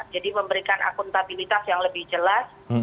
jadi memberikan akuntabilitas yang lebih jelas